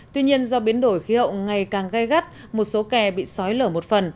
tuy nhiên do biến đổi khí hậu ngày càng gai gắt một số kè bị sói lở một phần